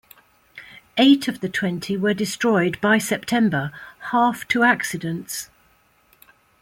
Eight of the twenty were destroyed by September, half to accidents.